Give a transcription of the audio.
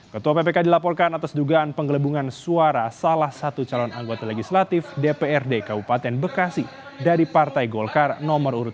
ketua ppk dilaporkan atas dugaan penggelembungan suara salah satu calon anggota legislatif dprd kabupaten bekasi dari partai golkar nomor urut tiga